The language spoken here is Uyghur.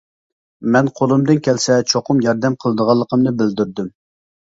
مەن قولۇمدىن كەلسە چوقۇم ياردەم قىلىدىغانلىقىمنى بىلدۈردۈم.